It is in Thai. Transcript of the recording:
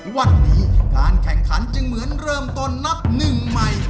วันนี้การแข่งขันจึงเหมือนเริ่มต้นนับหนึ่งใหม่